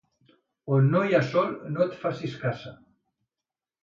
On no hi ha sol no et facis casa.